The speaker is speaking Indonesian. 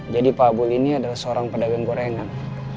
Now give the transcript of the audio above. pak abul ini adalah seorang pedagang gorengan